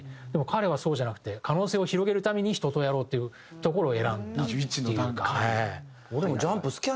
でも彼はそうじゃなくて可能性を広げるために人とやろうというところを選んだ。